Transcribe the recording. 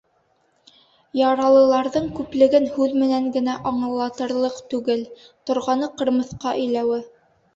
Яралыларҙың күплеген һүҙ менән генә аңлатырлыҡ түгел — торғаны ҡырмыҫҡа иләүе.